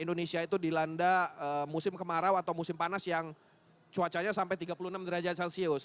indonesia itu dilanda musim kemarau atau musim panas yang cuacanya sampai tiga puluh enam derajat celcius